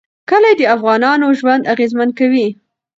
کلي د افغانانو ژوند اغېزمن کوي.